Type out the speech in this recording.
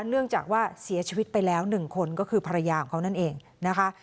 เนื่องจากว่าเสียชีวิตไปแล้ว๑คนก็คือภรรยาของเขานั่นเองนะคะ